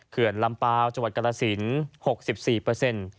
เขื่อนลำเปล่าจังหวัดกรสิน๖๔เปอร์เซ็นต์